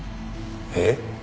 えっ？